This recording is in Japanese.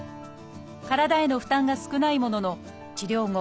体への負担が少ないものの治療後